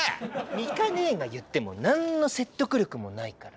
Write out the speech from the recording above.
ミカ姉が言っても何の説得力もないから。